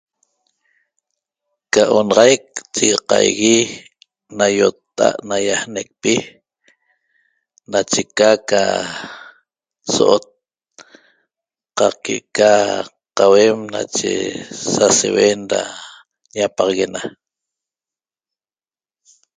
Ca onaxaic chigaqaigui na iotta'at naiaanecpi nache ca ca so'ot qaq que'eca qauem nache saseuen ra ñapaxaguena